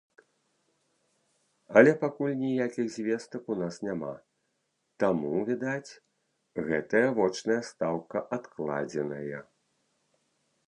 Але пакуль ніякіх звестак ў нас няма, таму, відаць, гэтая вочная стаўка адкладзеная.